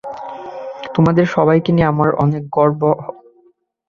তোমাদের সবাইকে নিয়ে, আমরা অনেক গর্বিত।